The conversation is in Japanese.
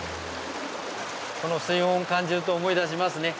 この水温を感じると思い出しますね。